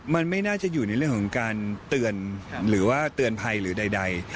มันไม่น่าจะอยู่ในเรื่องของการเตือนหรือว่าเตือนภัยหรือใด